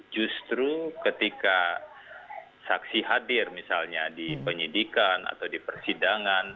justru ketika saksi hadir misalnya di penyidikan atau di persidangan